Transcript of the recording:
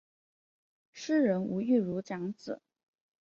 诗人吴玉如长子。